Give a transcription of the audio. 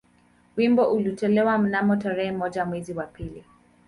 Wimbo ulitolewa mnamo tarehe moja mwezi wa pili